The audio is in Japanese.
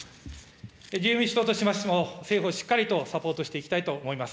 自由民主党としましても、政府をしっかりとサポートしていきたいと思います。